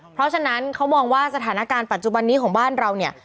เพราะฉะนั้นเขามองว่าสถานการณ์ปัจจุบันนี้ของบ้านเราเนี่ย